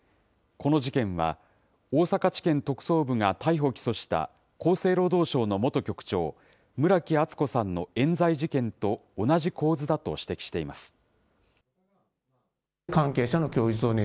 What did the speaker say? この事件は、大阪地検特捜部が逮捕・起訴した厚生労働省の元局長、村木厚子さんのえん罪事件と同じ構図だと指摘しています。